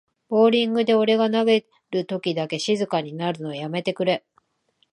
ボーリングで俺が投げるときだけ静かになるのやめてくれ